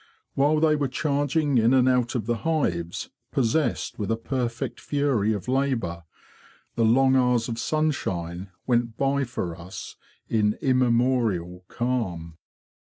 While they were charging in and out of the hives, possessed with a perfect fury of labour, the long hours of sunshine went by for us in immemorial calm.